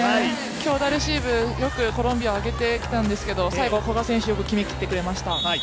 強打のレシーブ、よくコロンビア、上げてきたんですけど古賀選手決めきってくれました。